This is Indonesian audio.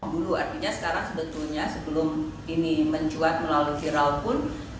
dulu artinya sekarang sebetulnya sebelum ini mencuat melalui viral pun